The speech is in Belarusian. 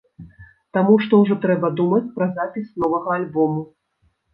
Таму што ўжо трэба думаць пра запіс новага альбому.